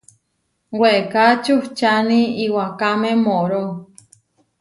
Weeká čuhčáni iwakáme mooró.